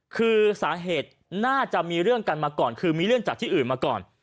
คือสาเหตุน่าจะมีเรื่องกันมาก่อนคือมีเรื่องจากที่อื่นมาก่อน